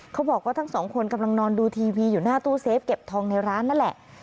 เขาบอกว่าทั้งสองคนกำลังนอนดูทีวีอยู่หน้าตู้เซฟเก็บทองในร้านนั่นแหละ